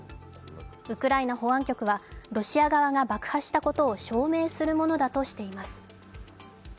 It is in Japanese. ウクライナ保安局はロシア側が爆破したことを証明するものだとしています。